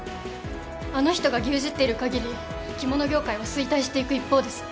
あの人が牛耳っている限り着物業界は衰退していく一方です。